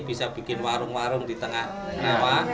bisa bikin warung warung di tengah rawa